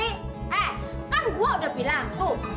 eh kan gue udah bilang tuh